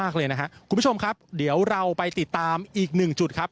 คุณผู้ชมครับเดี๋ยวเราไปติดตามอีกหนึ่งจุดครับ